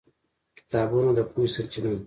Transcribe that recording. کتابونه د پوهې سرچینه ده.